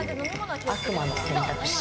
悪魔の選択肢。